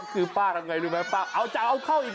คือป้าทำไงรู้ไหมป้าเอาจะเอาเข้าอีก